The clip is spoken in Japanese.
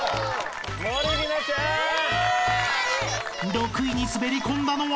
［６位に滑り込んだのは？］